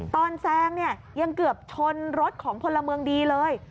แซงเนี่ยยังเกือบชนรถของพลเมืองดีเลย